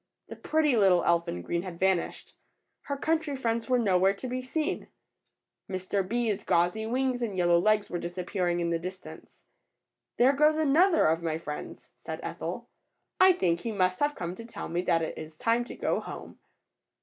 The pretty little elf in green had vanished. Her country friends were nowhere to be seen. Mr. Bee^s gauzy wings and yellow legs were disappear ing in the distance. ^^There goes another of my friends,'' said Ethel. think he must have come to tell me that it is time to go home."